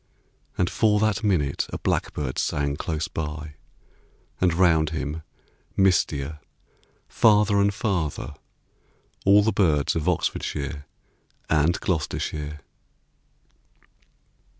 And for that minute a blackbird sang Close by, and round him, mistier, Farther and farther, all the birds Of Oxfordshire and Gloucestershire.